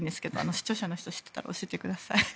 視聴者の方知っていたら教えてください。